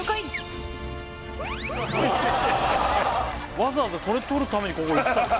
わざわざこれ撮るためにここ行ったの？